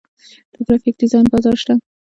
د ګرافیک ډیزاین بازار شته